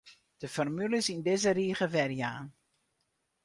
De formules yn dizze rige werjaan.